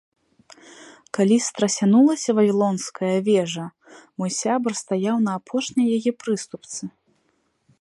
Калі страсянулася Вавілонская вежа, мой сябар стаяў на апошняй яе прыступцы.